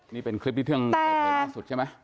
นี่เป็นคลิปที่เท่าไหนใช่ไหม